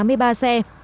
nhập một trăm linh xe